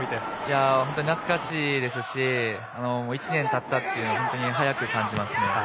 懐かしいですし１年たったっていうのは本当に早く感じますね。